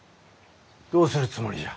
どうするつもりじゃ？